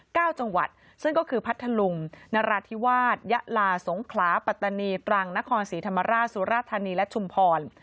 จังหวัดซึ่งก็คือพัทธลุงนราธิวาสยะลาสงขลาปัตตานีตรังนครศรีธรรมราชสุราธานีและชุมพร